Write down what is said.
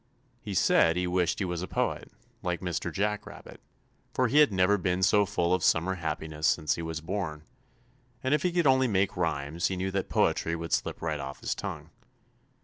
He said he wished he was a poet, like Mr. Jack Rabbit, for he had never been so full of summer happiness since he was born, and if he could only make rhymes, he knew that poetry would slip right off his tongue.